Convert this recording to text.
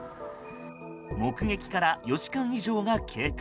目撃から４時間以上が経過。